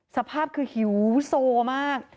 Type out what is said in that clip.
สภาพคือหิวโซมาก